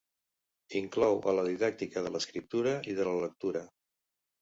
Inclou a la didàctica de l'escriptura i de la lectura.